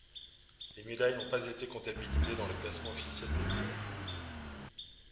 Les médailles n'ont pas été comptabilisées dans le classement officiel des pays.